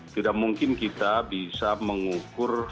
tidak mungkin kita bisa mengukur